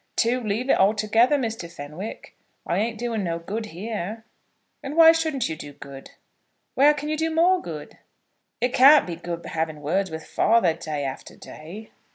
"To leave it altogether, Mr. Fenwick. I ain't doing no good here." "And why shouldn't you do good? Where can you do more good?" "It can't be good to be having words with father day after day."